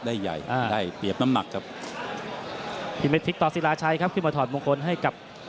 เสียเรียมบ่อปลาบุญชูขึ้นมาถอดมงคลให้ครับ